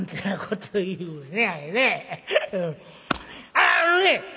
あっあのね！